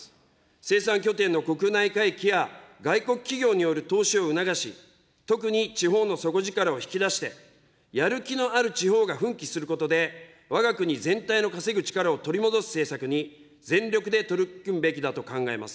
生産拠点の国内回帰や、外国企業による投資を促し、特に地方の底力を引き出して、やる気のある地方が奮起することで、わが国全体の稼ぐ力を取り戻す政策に全力で取り組むべきだと考えます。